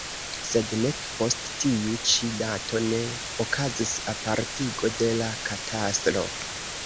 Sed nek post tiu ĉi dato ne okazis apartigo de la katastro.